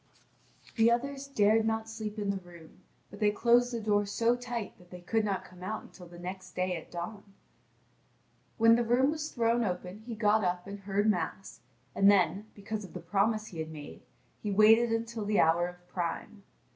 The others dared not sleep in the room; but they closed the door so tight that they could not come out until the next day at dawn. When the room was thrown open he got up and heard Mass, and then, because of the promise he had made, he waited until the hour of prime.